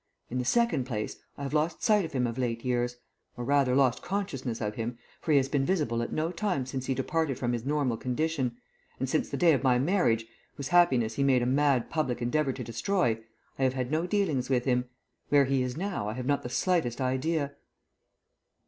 In the second place I have lost sight of him of late years, or rather lost consciousness of him, for he has been visible at no time since he departed from his normal condition, and since the day of my marriage, whose happiness he made a mad public endeavour to destroy, I have had no dealings with him. Where he is now, I have not the slightest idea."